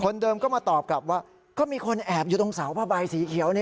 เดิมก็มาตอบกลับว่าก็มีคนแอบอยู่ตรงเสาผ้าใบสีเขียวนี่